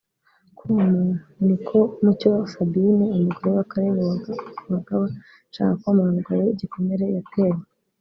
com ni uko Mucyo Sabine umugore wa Caleb Uwagaba ashaka komora umugabo we igikomere yatewe